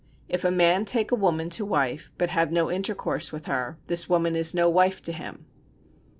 If a man take a woman to wife, but have no intercourse with her, this woman is no wife to him.